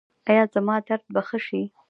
ایا زما درد به ښه شي؟